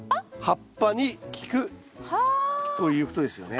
葉っぱに効くということですよね。